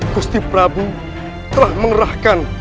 gusti prabu telah mengerahkan